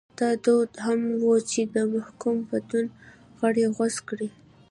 دا دود هم و چې د محکوم د بدن غړي غوڅ کړي.